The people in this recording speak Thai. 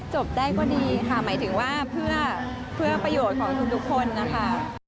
จบได้ก็ดีค่ะหมายถึงว่าเพื่อประโยชน์ของทุกคนนะคะ